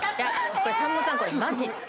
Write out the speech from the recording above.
さんまさんこれマジ。